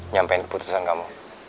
nyampein keputusan kamu